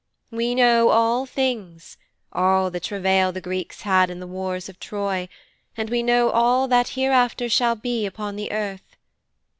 We know all things all the travail the Greeks had in the war of Troy, and we know all that hereafter shall be upon the earth.